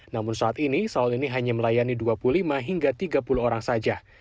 namun saat ini salon ini hanya melayani dua puluh lima hingga tiga puluh orang saja